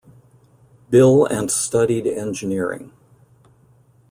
Bill and studied engineering.